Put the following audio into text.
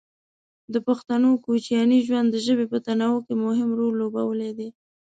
د پښتنو کوچیاني ژوند د ژبې په تنوع کې مهم رول لوبولی دی.